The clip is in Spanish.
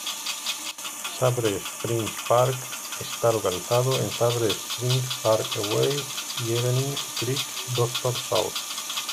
Sabre Springs Park está localizado en Sabre Springs Parkway y Evening Creek Dr. South.